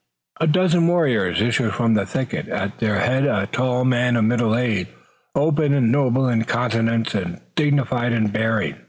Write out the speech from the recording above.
A dozen warriors issued from the thicket, at their head a tall man of middle age, open and noble in countenance and dignified in bearing.